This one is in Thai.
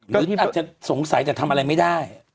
หรืออาจจะสงสัยแต่ทำอะไรไม่ได้